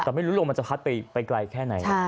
แต่ไม่รู้ลมมันจะพัดไปไกลแค่ไหน